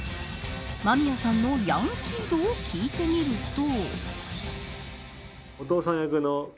間宮さんのヤンキー度を聞いてみると。